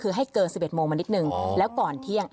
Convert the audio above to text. คือให้เกิน๑๑โมงมานิดนึงแล้วก่อนเที่ยง